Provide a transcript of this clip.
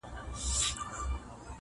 • یزید به لکه خلی د زمان بادونه یوسي -